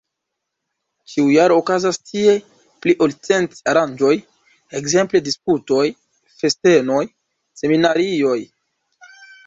Ĉiujare okazas tie pli ol cent aranĝoj, ekzemple diskutoj, festenoj, seminarioj.